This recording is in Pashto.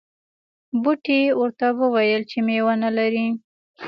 بوټي ورته وویل چې میوه نه لرې.